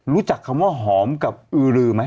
รู้จักคำว่าหอมกับอือรือไหม